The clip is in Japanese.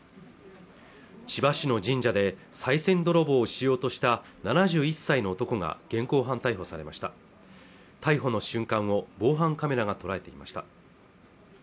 千葉市の神社でさい銭泥棒をしようとした７１歳の男が現行犯逮捕されました逮捕の瞬間を防犯カメラが捉えていました